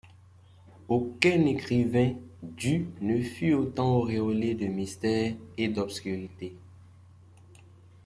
Aucun écrivain du ne fut autant auréolé de mystère et d’obscurité.